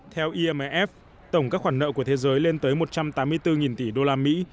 theo imf tổng các khoản nợ của thế giới lên tới một trăm tám mươi bốn tỷ đô la mỹ